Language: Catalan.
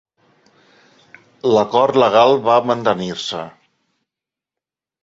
L'acord legal va mantenir-se.